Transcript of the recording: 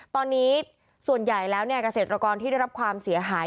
ตอนนี้ส่วนใหญ่แล้วเกษตรกรที่ได้รับความเสียหาย